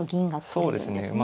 そうですね。